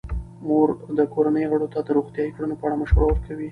مور د کورنۍ غړو ته د روغتیايي کړنو په اړه مشوره ورکوي.